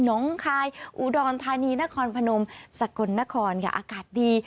น้องคายอุดรธานีนครพนมสกลนครค่ะอากาศดี